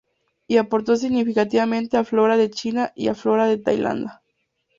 Y aportó significativamente a "Flora de China" y a "Flora de Tailandia"